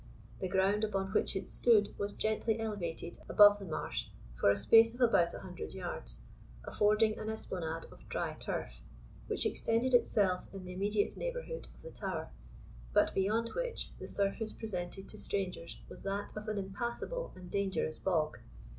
The ground upon which it stood was gently elevated above the marsh for the space of about a hundred yards, affording an esplanade of dry turf, which extended itself in the immediate neighbourhood of the tower; but, beyond which, the surface presented to strangers was that of an impassable and dangerous bog.